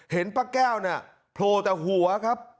เห็นพระแก้วโพลแต่หัวครับ